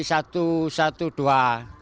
satu satu dua